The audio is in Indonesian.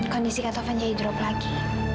kondisi kak tovan jadi drop lagi